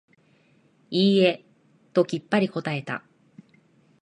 いいえ、ときっぱり答えた。